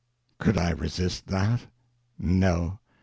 Could I resist that? No.